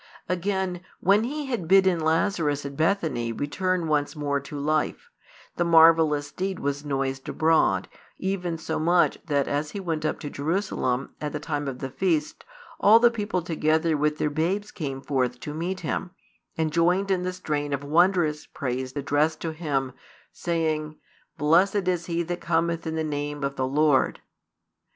Again, when He had bidden Lazarus at Bethany return once more to life, the marvellous deed was noised abroad, even so much that as He went up to Jerusalem at the time of the feast all the people together with their babes came forth to meet Him, and joined in the strain of wondrous praise addressed to Him, saying: Blessed is He that cometh in the name of the Lord.